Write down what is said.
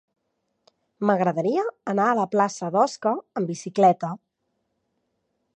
M'agradaria anar a la plaça d'Osca amb bicicleta.